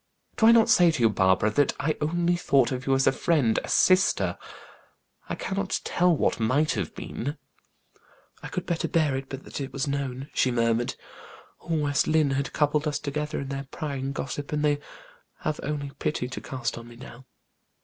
Do I not say to you, Barbara, that I only thought of you as a friend, a sister? I cannot tell what might have been." "I could bear it better, but that it was known," she murmured. "All West Lynne had coupled us together in their prying gossip, and they have only pity to cast on me now.